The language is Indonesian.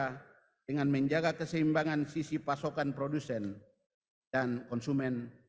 ketika kita mencari keterjangkauan harga dengan menjaga keseimbangan sisi pasokan produsen dan konsumen